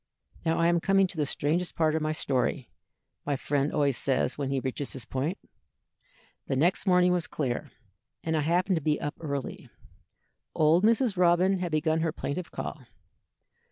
"Now I am coming to the strangest part of my story," my friend always says when he reaches this point. "The next morning was clear, and I happened to be up early. Old Mrs. Robin had begun her plaintive call.